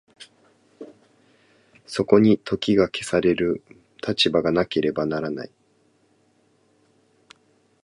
そこに時が消される立場がなければならない。